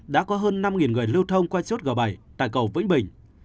đã có hơn năm người lưu thông qua chốt g bảy tại cầu vĩnh bình